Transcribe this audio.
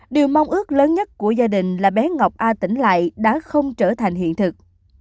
điều mong ước lớn nhất của gia đình là bé ngọc a tỉnh lại đã không trở thành hiện thực